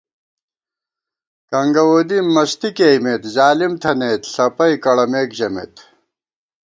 کنگہ وودی مستی کېئیمېت ظالم تھنَئیت ݪَپَئی کڑَمېک ژمېت